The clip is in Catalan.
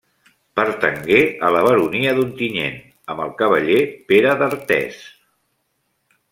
Pertangué a la baronia d'Ontinyent amb el cavaller Pere d'Artés.